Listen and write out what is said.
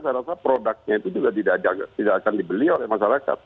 saya rasa produknya itu juga tidak akan dibeli oleh masyarakat